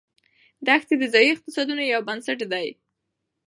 دښتې د ځایي اقتصادونو یو بنسټ دی.